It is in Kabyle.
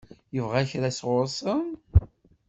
Yebɣa kra sɣur-sen?